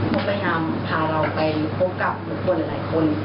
มันพยายามพาเราไปพบกับหลบพวนหลายคน